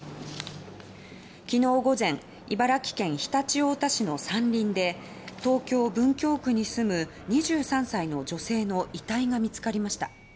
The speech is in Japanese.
昨日午前茨城県常陸太田市の山林で東京・文京区に住む２３歳の女性の遺体が見つかりました。